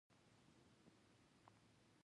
ارزیابي باید رښتینې وي